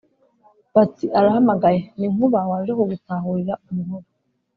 Bati : »‘arahamagaye. Ni Nkuba waje kugutarurira umuhoro. »